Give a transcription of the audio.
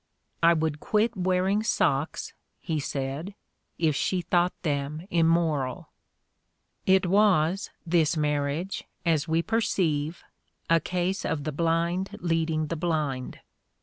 "I would quit wearing socks," he said, "if she thought them immoral." It was, this marriage, as we perceive, a case of the blind leading the blind.